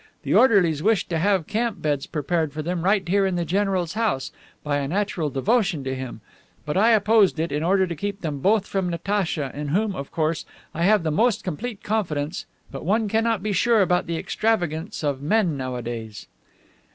The orderlies wished to have camp beds prepared for them right here in the general's house, by a natural devotion to him; but I opposed it, in order to keep them both from Natacha, in whom, of course, I have the most complete confidence, but one cannot be sure about the extravagance of men nowadays."